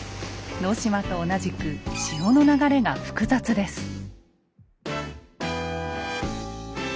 能島と同じく潮の流れが複雑です。